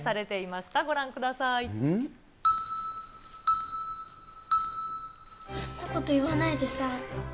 そういうこと言わないでさ。